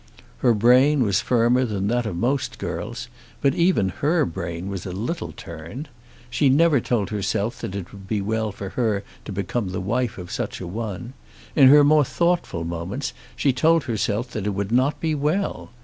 Her brain was firmer than that of most girls, but even her brain was a little turned. She never told herself that it would be well for her to become the wife of such a one. In her more thoughtful moments she told herself that it would not be well.